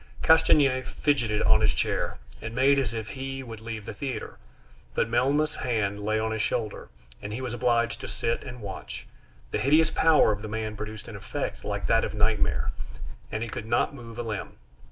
Castanier fidgeted on his chair, and made as if he would leave the theater, but Melmoth's hand lay on his shoulder, and he was obliged to sit and watch; the hideous power of the man produced an effect like that of nightmare, and he could not move a limb.